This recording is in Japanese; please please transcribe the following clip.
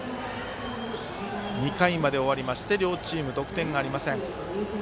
２回まで終わりまして両チーム得点がありません。